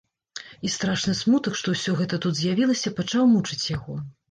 І страшны смутак, што ўсё гэта тут з'явілася, пачаў мучыць яго.